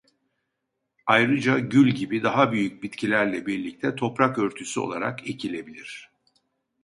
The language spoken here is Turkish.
Ayrıca gül gibi daha büyük bitkilerle birlikte toprak örtüsü olarak ekilebilir.